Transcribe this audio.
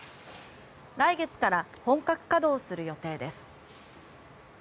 来月から本格稼働する予定です。